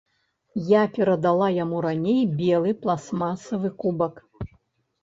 Я перадала яму раней белы пластмасавы кубак.